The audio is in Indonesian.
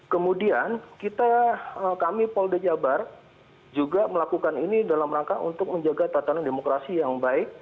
kemudian kami polda jabar juga melakukan ini dalam rangka untuk menjaga tatanan demokrasi yang baik